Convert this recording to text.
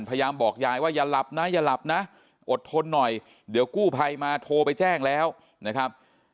พยายามบอกยายว่าอย่าหลับนะอย่าหลับนะอดทนหน่อยเดี๋ยวกู้ภัยมาโทรไปแจ้งแล้วนะครับ